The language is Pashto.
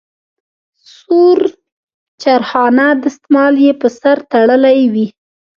سور چارخانه دستمال یې په سر تړلی وي.